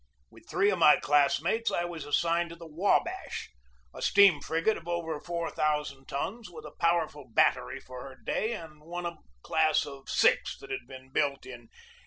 With three of my classmates I was assigned to the W abash, a steam frigate of over four thousand tons, with a powerful battery for her day and one of a class of six that had been built in 1855.